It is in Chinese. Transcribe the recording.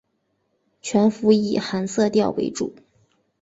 全幅以寒色调为主